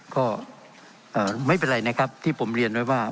ก็ไม่เป็นไรนะครับที่ผมเรียนไว้ว่า